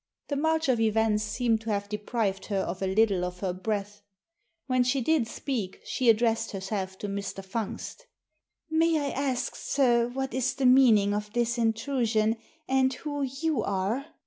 The march of events seemed to have deprived her of a little of her breath. When she did speak she addressed herself to Mr. Fungst " May I ask, sir, what is the meaning of this in trusion, and who you are?"